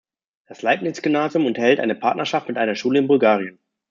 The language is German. Das Leibniz-Gymnasium unterhält eine Partnerschaft mit einer Schule in Bulgarien.